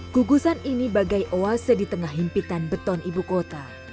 kugusan ini bagai oase di tengah himpitan beton ibu kota